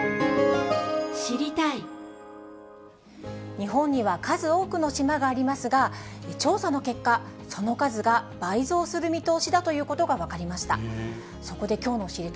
日本には数多くの島がありますが、調査の結果、その数が倍増する見通しだということが分かりました。